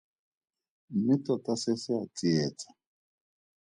Mme tota se se a tsietsa.